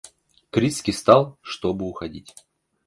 Крицкий встал, чтоб уходить.